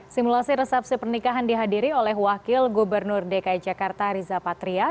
simulasi resepsi pernikahan dihadiri oleh wakil gubernur dki jakarta riza patria